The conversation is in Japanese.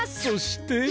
そして。